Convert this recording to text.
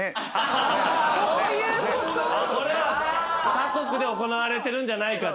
他国で行われてるんじゃないかと。